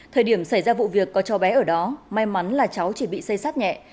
thời điểm xảy ra vụ việc có cho bé ở đó may mắn là cháu chỉ bị xây sát nhẹ